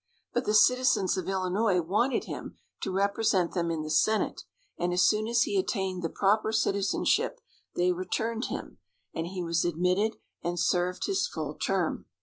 But the citizens of Illinois wanted him to represent them in the senate, and as soon as he attained the proper citizenship they returned him, and he was admitted and served his full term.